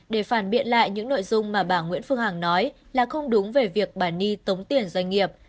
để phản biện lại những nội dung mà bà nguyễn phương hằng nói là không đúng về việc bà ni tống tiền doanh nghiệp